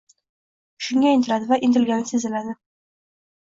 Shunga intiladi va intilgani seziladi.